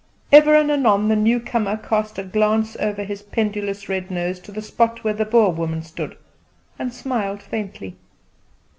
Ever and anon the newcomer cast a glance over his pendulous red nose to the spot where the Boer woman stood, and smiled faintly.